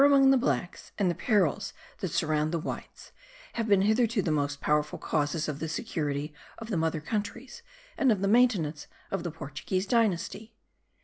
] among the blacks, and the perils that surround the whites, have been hitherto the most powerful causes of the security of the mother countries and of the maintenance of the Portuguese dynasty.